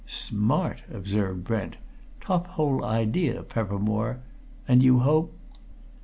"Smart!" observed Brent. "Top hole idea, Peppermore. And you hope